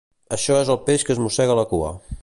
Això és el peix que es mossega la cua